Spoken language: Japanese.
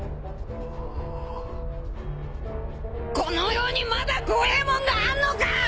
この世にまだ怖えもんがあんのか！？